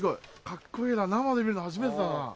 カッコいいな生で見るの初めてだな。